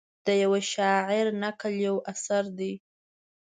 د یوه شاعر نکل یو اثر دی.